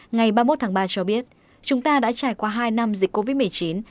ngày ba mươi một tháng ba cho biết chúng ta đã trải qua hai năm dịch covid một mươi chín